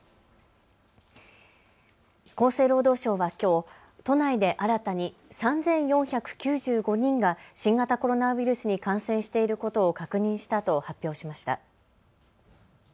厚生労働省はきょう都内で新たに３４９５人が新型コロナウイルスに感染していることを確認したと発表しました。